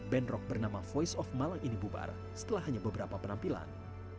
band rock bernama voice of malang ini bubar setelah hanya beberapa penampilan